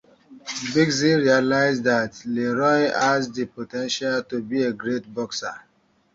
Bugsy realizes that Leroy has the potential to be a great boxer.